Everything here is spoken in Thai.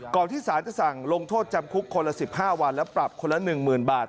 ที่สารจะสั่งลงโทษจำคุกคนละ๑๕วันและปรับคนละ๑๐๐๐บาท